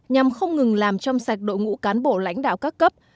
nhằm không ngừng làm trong sạch đội ngũ cán bộ lãnh đạo các cấp